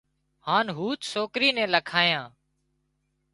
هانَ هوٿ سوڪرِي نين لکايان